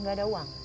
iya gak ada uang